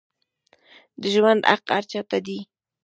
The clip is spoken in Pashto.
د ژوند حق هر چا ته دی